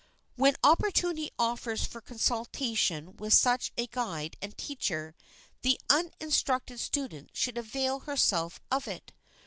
When opportunity offers for consultation with such a guide and teacher, the uninstructed student should avail himself of it.